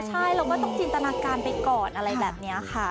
ใช่เราก็ต้องจินตนาการไปก่อนอะไรแบบนี้ค่ะ